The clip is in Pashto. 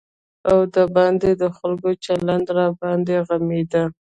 او د باندې د خلکو چلند راباندې غمېده.